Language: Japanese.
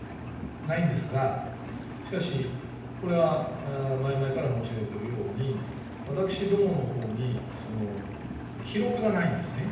ないんですが、しかし、これは前々から申し上げているように、私どものほうに記録がないんですね。